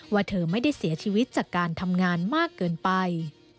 เธอไม่ได้เสียชีวิตจากการทำงานมากเกินไป